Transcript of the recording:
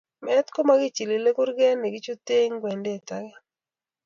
Meet komakichilile, kurgeet ne kichutee ing'wendeet age.